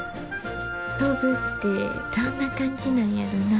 飛ぶってどんな感じなんやろな。